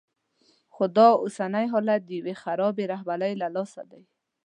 خو دا اوسنی حالت د یوې خرابې رهبرۍ له لاسه دی.